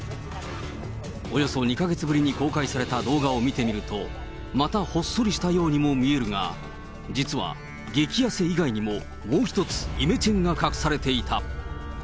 およそ２か月ぶりに公開された動画を見てみると、またほっそりしたようにも見えるが、実は激やせ以外にももう一つイメチェンが隠されていた。